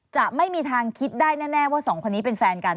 จะไม่มีทางคิดได้แน่ว่าสองคนนี้เป็นแฟนกัน